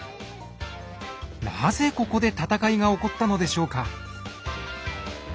なぜここで戦いが起こったのでしょうか？